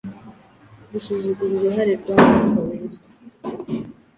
gusuzugura uruhare rwa Mwuka Wera